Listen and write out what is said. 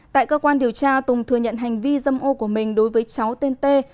tại cơ quan điều tra tùng thừa nhận hành vi dâm ô của mình đối với cháu tên tê